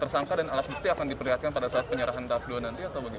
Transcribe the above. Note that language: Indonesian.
tersangkaan dan berabukti akan diperhatikan pada saat penyerahan rabu nanti atau begitu